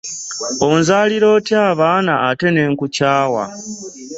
Onzaalira otya abaana ate ne nkukyawa?